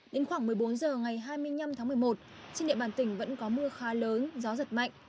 đến khoảng một mươi bốn h ngày hai mươi năm tháng một mươi một trên địa bàn tỉnh vẫn có mưa khá lớn gió giật mạnh